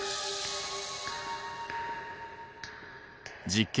実験